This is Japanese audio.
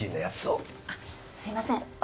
あっすいません